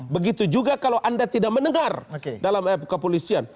begitu juga kalau anda tidak mendengar dalam kepolisian